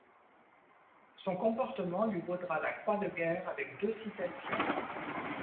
Son comportement lui vaudra la Croix de Guerre avec deux citations.